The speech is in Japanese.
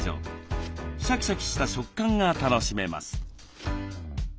シャキシャキした食感が楽しめます。